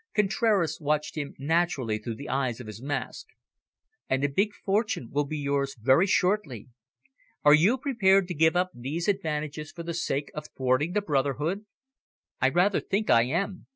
Contraras watched him narrowly through the holes of his mask. "And a big fortune will be yours very shortly. Are you prepared to give up these advantages for the sake of thwarting the brotherhood?" "I rather think I am.